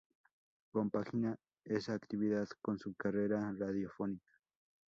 Compagina esa actividad con su carrera radiofónica.